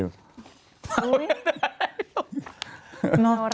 อียยยนด์